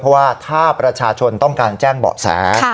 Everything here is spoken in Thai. เพราะว่าถ้าประชาชนต้องการแจ้งเบาะแส